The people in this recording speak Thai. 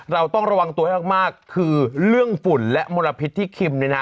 เราต้องระวังตัวให้มากคือเรื่องฝุ่นและมลพิษที่คิมเนี่ยนะ